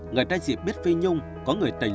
người ta chỉ biết phi nhung có người tình